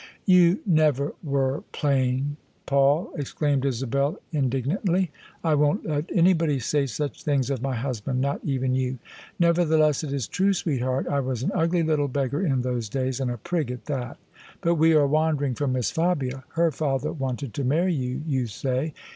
" You never were plain, Paul I " exclaimed Isabel indig nantly. " I won't let anybody say such things of my hus band : not even you." " Nevertheless it is true, sweetheart I was an ugly little beggar in those days, and a prig at that. But we are wander ing from Miss Fabia. Her father wanted to marry you, you say.